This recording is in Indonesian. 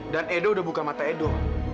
dan edo udah buka mata edo